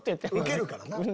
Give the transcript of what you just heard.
ウケるからな。